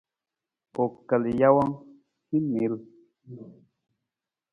U kal jawang, hin niil.